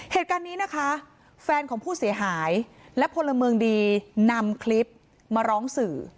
เหตุการณ์นี้นะคะแฟนของผู้เสียหายและพลเมืองดีนำคลิปมาร้องสื่อ